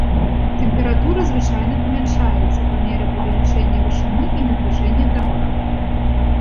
Тэмпература звычайна памяншаецца па меры павелічэння вышыні і набліжэння да мора.